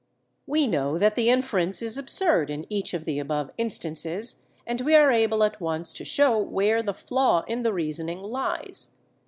We know that the inference is absurd in each of the above instances, and we are able at once to show where the flaw in the reasoning lies.